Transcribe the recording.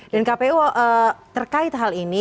dan kpu terkait hal ini